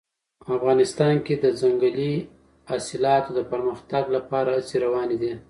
افغانستان کې د ځنګلي حاصلاتو د پرمختګ لپاره هڅې روانې دي.